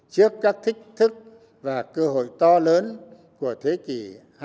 trước các thích thức và cơ hội to lớn của thế kỷ hai mươi một